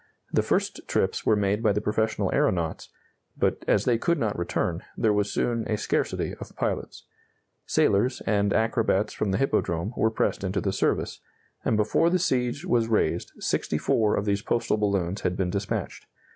The first trips were made by the professional aeronauts, but, as they could not return, there was soon a scarcity of pilots. Sailors, and acrobats from the Hippodrome, were pressed into the service, and before the siege was raised 64 of these postal balloons had been dispatched.